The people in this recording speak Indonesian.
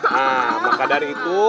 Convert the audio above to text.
nah maka dari itu